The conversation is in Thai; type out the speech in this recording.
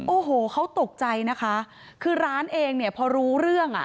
โอ้โหเขาตกใจนะคะคือร้านเองเนี่ยพอรู้เรื่องอ่ะ